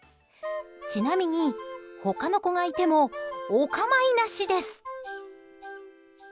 ちなみに、他の子がいてもお構いなしです。